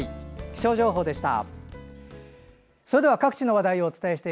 気象情報でした。